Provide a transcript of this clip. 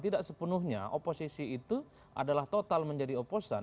tidak sepenuhnya oposisi itu adalah total menjadi oposan